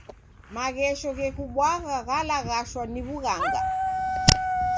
Maghesho ghekubwagha ghalaghashwa ni w'ughanga.